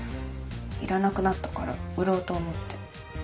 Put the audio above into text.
いらなくなったから売ろうと思って。